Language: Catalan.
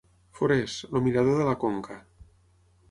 Forès, el mirador de la Conca.